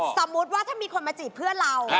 สมมุติว่าถ้ามีคนมาจีบเพื่อนเรา